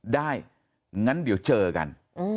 ได้งั้นเดี๋ยวเจอกัน